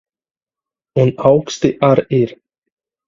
Un auksti ar ir.